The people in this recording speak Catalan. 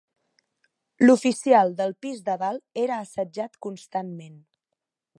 L'oficial del pis de dalt era assetjat constantment